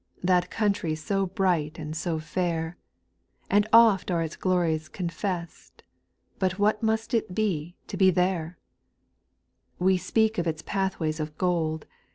f That country so bright and so fair ; And oft are its glories confessed ; But what must it be to be there 1 2. "We speak of its pathways of gold.